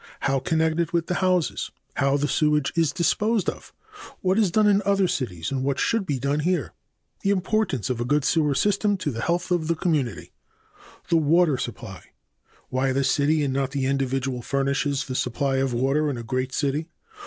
d. How connected with the houses. e. How the sewage is disposed of. f. What is done in other cities and what should be done here? g. The importance of a good sewer system to the health of the community. 7. The water supply. a. Why the city and not the individual furnishes the supply of water in a great city.